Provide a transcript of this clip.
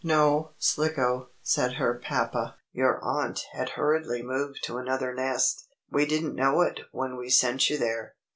"No, Slicko," said her papa, "your aunt had hurriedly moved to another nest. We didn't know it when we sent you there.